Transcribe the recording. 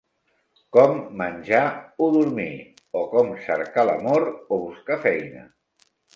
Com menjar o dormir, o com cercar l'amor o buscar feina.